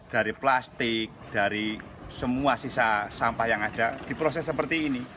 dari plastik dari semua sisa sampah yang ada diproses seperti ini